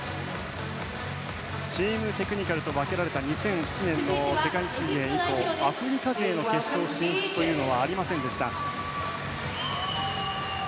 チームテクニカルと分けられた２００７年の世界水泳以降アフリカ勢の決勝進出はありませんでした。